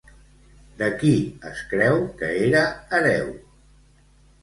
De qui es creu que era hereu?